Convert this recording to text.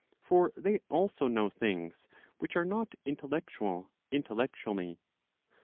For they also know' things which are not intellectual intellectually.